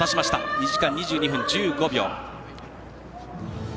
２時間２２分１５秒。